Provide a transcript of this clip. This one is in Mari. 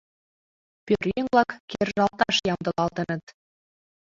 Пӧръеҥ-влак кержалташ ямдылалтыныт.